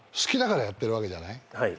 はい。